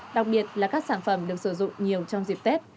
đặc biệt là các sản phẩm được sử dụng nhiều trong dịp tết